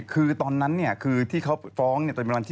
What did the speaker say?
คือตอนนั้นเนี่ยคือที่เขาฟ้องเนี่ย